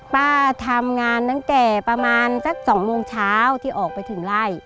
ป้าทำงานตั้งแต่ประมาณสัก๒โมงเช้าที่ออกไปถึงไล่